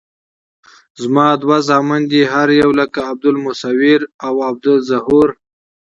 زما دوه زامن دي هر یو لکه عبدالمصویر او عبدالظهور.